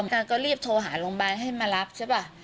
ก็รีบโทรหาโรงพยาบาลให้มารับใช่ป่ะ